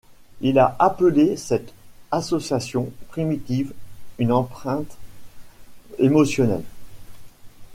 Il a appelé cette association primitive une empreinte émotionnelle.